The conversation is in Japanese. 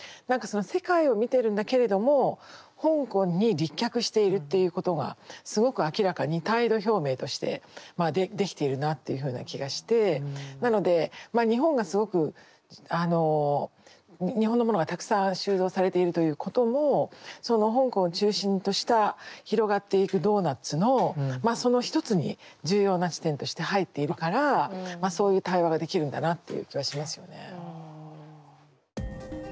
何かその世界を見てるんだけれども香港に立脚しているっていうことがすごく明らかに態度表明としてまあできているなあっていうふうな気がしてなのでまあ日本がすごく日本のものがたくさん収蔵されているということもその香港を中心とした広がっていくドーナツのその一つに重要な地点として入っているからそういう対話ができるんだなっていう気はしますよね。